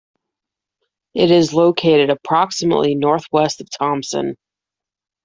It is located approximately northwest of Thompson.